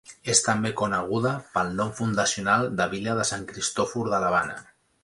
És també coneguda pel nom fundacional de Vila de Sant Cristòfor de l'Havana.